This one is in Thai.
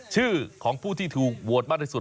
ชื่อของผู้ที่ถูกโหวตมากที่สุด